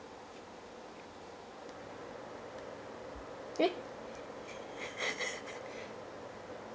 えっ。